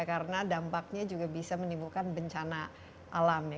karena dampaknya juga bisa menimbulkan bencana alam ya